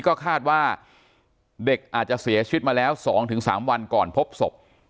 ก็คาดว่าเด็กอาจจะเสียชีวิตมาแล้ว๒๓วันก่อนพบศพ